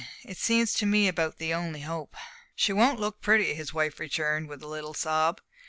It seems to me about the only hope." "She won't look pretty," his wife returned, with a little sob.